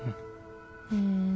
うん。